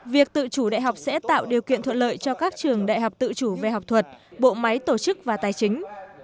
việc tự chủ đại học sẽ tạo điều kiện thuận lợi cho các trường đại học tự chủ về học thuật bộ máy tổ chức và tài chính